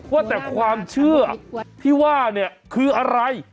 ว่าแต่ความเชื่อที่ว่าเนี่ยคืออะไร